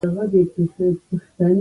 تنور د ډوډۍ د پخلي خاموش خدمتګار دی